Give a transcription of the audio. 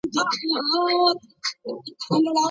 که پایلي ناوخته اعلان سي نو ارزښت یې کمیږي.